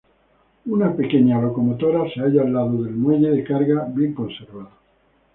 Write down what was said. Una pequeña locomotora se halla al lado del muelle de carga bien conservado.